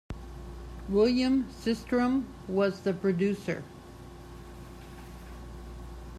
William Sistrom was the producer.